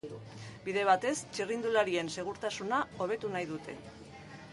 Bide batez, txirrindularien segurtasuna hobetu nahi dute.